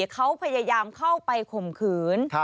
เขาพยายามเข้าไปข่มขืน